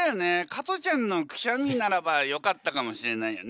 加トちゃんのくしゃみならばよかったかもしれないよね。